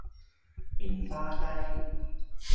棉花雞